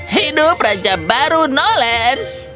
hidup raja baru nolen